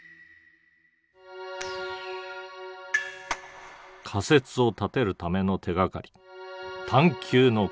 仮説を立てるための手がかり